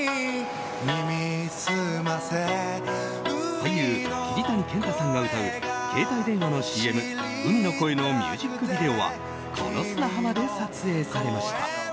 俳優・桐谷健太さんが歌う携帯電話のＣＭ「海の声」のミュージックビデオはこの砂浜で撮影されました。